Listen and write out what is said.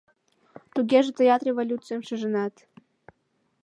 Тугеже тыят революцийым шижынат!